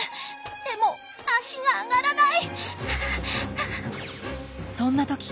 でも足が上がらない！